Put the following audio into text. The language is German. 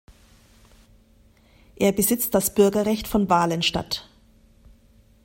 Er besitzt das Bürgerrecht von Walenstadt.